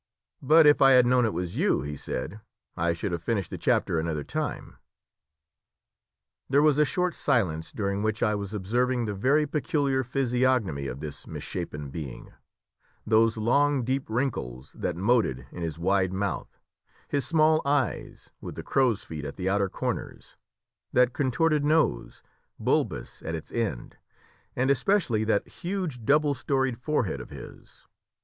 "But if I had known it was you," he said, "I should have finished the chapter another time." There was a short silence, during which I was observing the very peculiar physiognomy of this misshapen being those long deep wrinkles that moated in his wide mouth, his small eyes with the crow's feet at the outer corners, that contorted nose, bulbous at its end, and especially that huge double storied forehead of his.